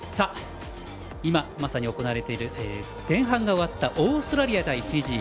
今、まさに行われている前半が終わったオーストラリア対フィジー